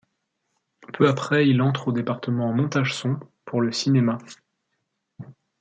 Peu après il entre au département montage son pour le cinéma.